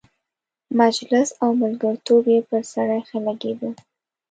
مجلس او ملګرتوب یې پر سړي ښه لګېده.